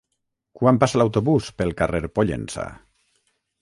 Quan passa l'autobús pel carrer Pollença?